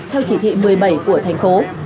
theo chỉ thị một mươi bảy của thành phố